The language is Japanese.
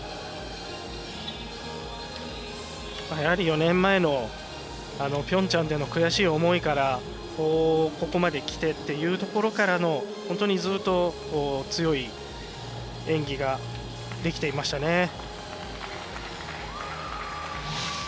やはり、４年前のピョンチャンでの悔しい思いからここまできてっていうところで本当に、ずっと強い演技ができていましたね。